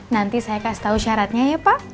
nanti saya kasih tahu syaratnya ya pak